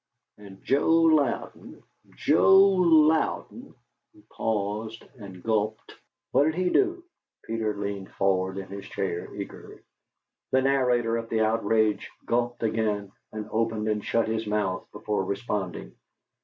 And Joe Louden Joe Louden " He paused and gulped. "What did he do?" Peter leaned forward in his chair eagerly. The narrator of the outrage gulped again, and opened and shut his mouth before responding.